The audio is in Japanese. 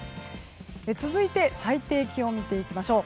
続いて最低気温を見ていきましょう。